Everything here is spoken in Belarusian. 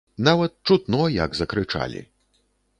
Нават чутно, як закрычалі.